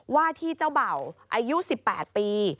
ว่าที่เจ้าเบ่าอายุ๑๘ปี